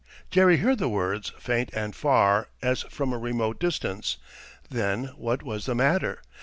Jerry heard the words, faint and far, as from a remote distance. Then what was the matter?